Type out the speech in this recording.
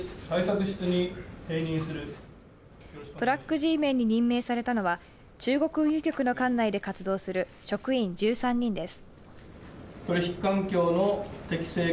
トラックＧメンに任命されたのは中国運輸局の管内で活動する職員１３人です。